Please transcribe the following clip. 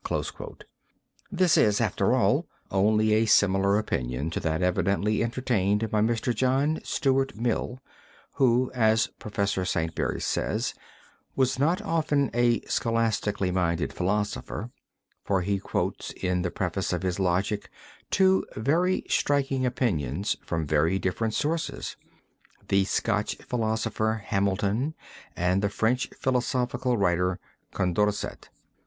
This is, after all, only a similar opinion to that evidently entertained by Mr. John Stuart Mill, who, as Prof. Saintsbury says, was not often a scholastically minded philosopher, for he quotes in the preface of his logic two very striking opinions from very different sources, the Scotch philosopher, Hamilton, and the French philosophical writer, Condorcet.